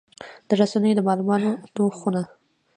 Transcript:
د رسنیو د مالوماتو خونه